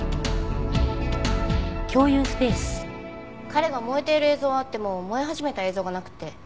彼が燃えている映像はあっても燃え始めた映像がなくって。